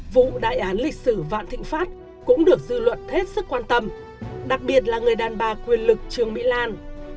vụ đại án lịch sử vạn thịnh pháp cũng được dư luận hết sức quan tâm đặc biệt là người đàn bà quyền lực trương mỹ lan